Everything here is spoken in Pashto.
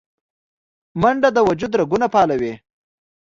منډه د وجود رګونه فعالوي